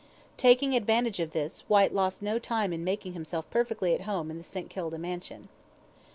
Taking advantage of this, Whyte lost no time in making himself perfectly at home in the St. Kilda mansion.